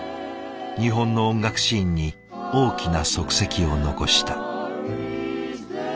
日本の音楽シーンに大きな足跡を残した。